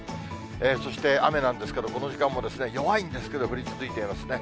そして、雨なんですけど、この時間も弱いんですけど、降り続いていますね。